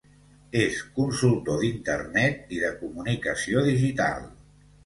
És consultor d’Internet i de comunicació digital.